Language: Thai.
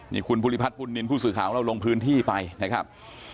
นี่คุณภูริพัฒนบุญนินทร์ผู้สื่อข่าวของเราลงพื้นที่ไปนะครับ